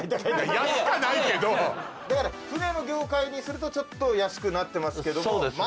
安かないけどだから船の業界にするとちょっと安くなってますけどもそうですね